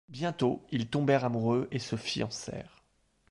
Bientôt, ils tombèrent amoureux et se fiancèrent.